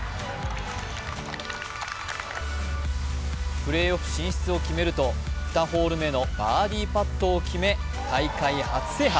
プレーオフ進出を決めると、２ホール目のバーディーパットを決め大会初制覇。